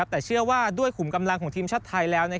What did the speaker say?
แต่เชื่อว่าด้วยขุมกำลังของทีมชาติไทยแล้ว